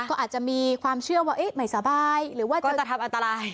ก็อาจจะมีความเชื่อว่าไม่สบายหรือว่าก็จะทำอันตราย